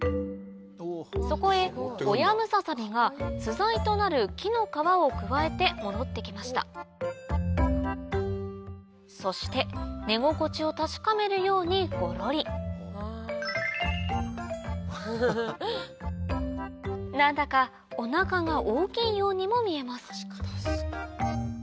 そこへ親ムササビが巣材となる木の皮をくわえて戻って来ましたそして寝心地を確かめるようにごろり何だかおなかが大きいようにも見えます